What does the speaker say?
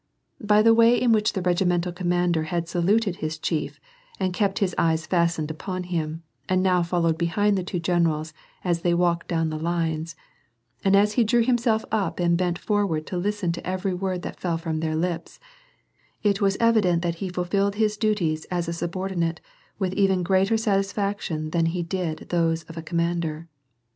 By the way in which the regimental commander had saluted his chief, and kept his eyes fastened upon him, and now fol lowed behind the two generals as they walked down the lines, and as he drew himself up and bent forward to listen to every word that fell from their lips, it was evident that he fulfilled his duties as a subordinate with even greater satisfaction than he did those of a commander.